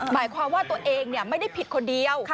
หมายความว่าตัวเองไม่ได้ผิดคนเดียว